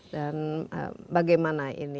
dan bagaimana ini